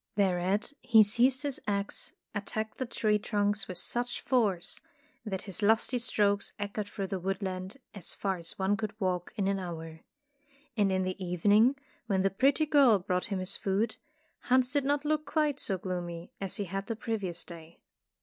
Thereat he seized his axe, attacked the 152 Tales of Modern Germany tree trunks with such force, that his lusty strokes echoed through the woodland as far as one could walk in an hour. And in the evening when the pretty girl brought him his food, Hans did not look quite so gloomy as he had the previous day.